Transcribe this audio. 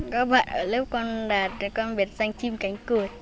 các bạn ở lớp con đạt con biển xanh chim cánh cửa